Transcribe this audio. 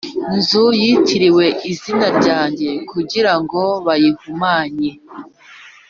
nzu yitiriwe izina ryanjye kugira ngo bayihumanye